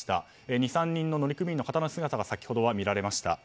２３人の乗組員の方の姿が先ほどは見えました。